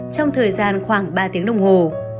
trong thời gian khoảng ba tiếng đồng hồ